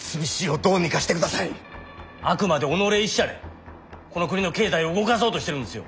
あくまで己一社でこの国の経済を動かそうとしてるんですよ。